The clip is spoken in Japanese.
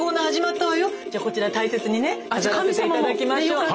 じゃあこちら大切にね飾らせて頂きましょう。